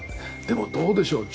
でもどうでしょう？